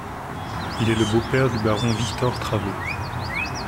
Il est le beau-père du baron Victor Travot.